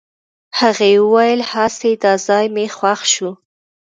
هغې وويل هسې دا ځای مې خوښ شو.